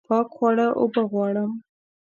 پاک خواړه اوبه غواړم